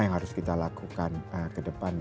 yang harus kita lakukan kedepan